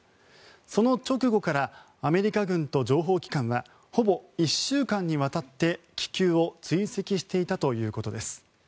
その直後からアメリカ軍と情報機関はほぼ１週間にわたって、気球を追跡していたということです。